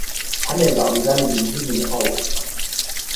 Hänellä oli väliin hyvin hauska.